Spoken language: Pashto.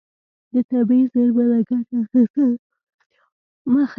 د طبیعي زیرمو نه ګټه اخیستل د پرمختیا مخه نیسي.